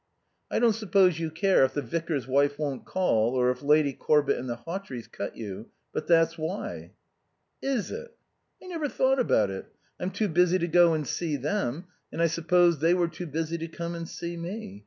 "I don't suppose you care if the vicar's wife won't call or if Lady Corbett and the Hawtreys cut you. But that's why." "Is it? I never thought about it. I'm too busy to go and see them and I supposed they were too busy to come and see me.